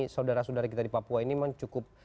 saudara saudara kita di papua ini memang cukup